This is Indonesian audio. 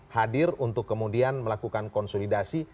hadir untuk kemudian melakukan konsolidasi